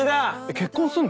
結婚すんの？